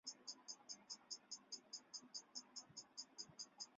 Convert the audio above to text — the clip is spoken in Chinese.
艾叶交石窟的历史年代为北齐。